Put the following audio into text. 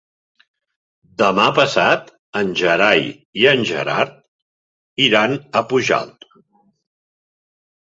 Demà passat en Gerai i en Gerard iran a Pujalt.